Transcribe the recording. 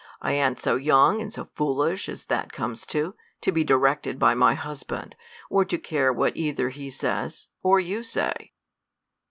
I an't so young and so foolish as that comes to, to be directed by my husband, or to care what either he says, or you say.